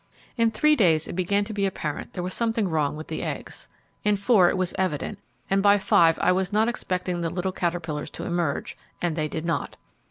In three days it began to be apparent there was something wrong with the eggs. In four it was evident, and by five I was not expecting the little caterpillars to emerge, and they did not.